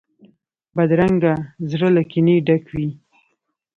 بدرنګه زړه له کینې ډک وي